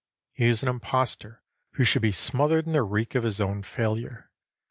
He is an impostor, who should be smothered in the reek of his own failure.